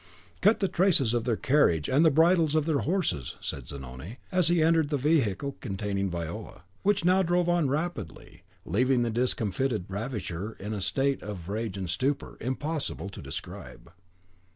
"Cut the traces of their carriage and the bridles of their horses," said Zanoni, as he entered the vehicle containing Viola, which now drove on rapidly, leaving the discomfited ravisher in a state of rage and stupor impossible to describe.